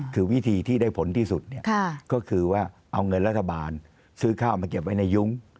คือวิธีที่ได้ผลที่สุดก็คือว่าเอาเงินรัฐบาลซื้อข้าวมาเก็บไว้ในยุ้ง